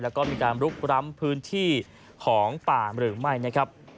แล้วก็มีการลุกร้ำพื้นที่ของป่าหรือไม่นะครับ